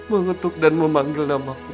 mengetuk dan memanggil nama aku